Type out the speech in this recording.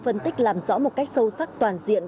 phân tích làm rõ một cách sâu sắc toàn diện